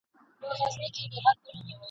خان هم توره چلول هم توپکونه !.